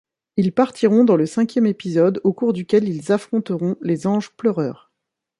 Ils partiront dans le cinquième épisode au cours duquel ils affronteront les Anges Pleureurs.